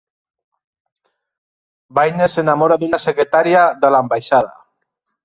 Baines s'enamora d'una secretària de l'ambaixada.